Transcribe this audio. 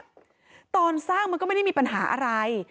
ไอ้ที่นี่มีปัญหาอะไร